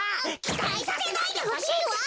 きたいさせないでほしいってか！